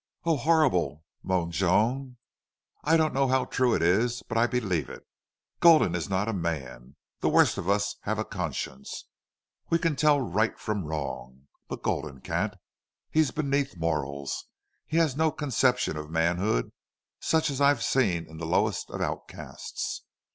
"Oh, horrible!" moaned Joan. "I don't know how true it is. But I believe it. Gulden is not a man. The worst of us have a conscience. We can tell right from wrong. But Gulden can't. He's beneath morals. He has no conception of manhood, such as I've seen in the lowest of outcasts.